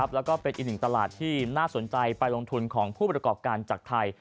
และอีก๑ตลาดที่น่าสนใจไปลงทุนของผู้ประกอบการจากไทย